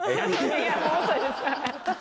いやもう遅いです。